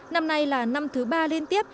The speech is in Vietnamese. năm nay là năm thứ ba liên tiếp